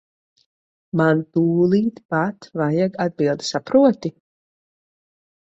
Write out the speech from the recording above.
Man tūlīt pat vajag atbildes, saproti.